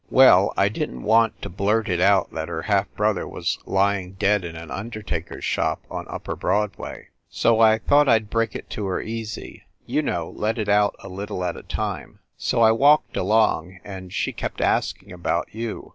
Well, I didn t want to blurt it out that her half brother was lying dead in an undertaker s shop on upper Broadway, so I thought I d break it to her easy, you know, let it out a little at a time. So I walked along, and she kept asking about you.